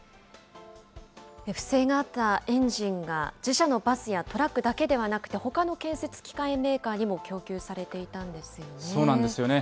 不正があったエンジンが自社のバスやトラックだけではなくて、ほかの建設機械メーカーにも供給されていたんですよね。